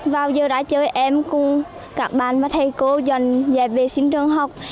vào giờ ra chơi em cùng các bạn và thầy cô dọn dẹp vệ sinh trường học